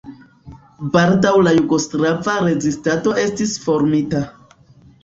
Baldaŭ la jugoslava rezistado estis formita.